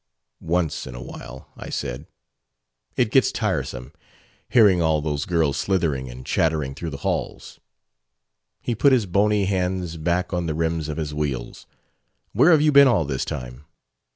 Once in a while, I said. It gets tiresome, hearing all those girls slithering and chattering through the halls." He put his bony hands back on the rims of his wheels. "Where have you been all this time?"